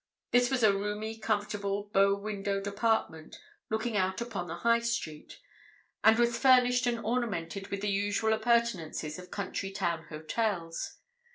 This was a roomy, comfortable, bow windowed apartment, looking out upon the High Street, and was furnished and ornamented with the usual appurtenances of country town hotels.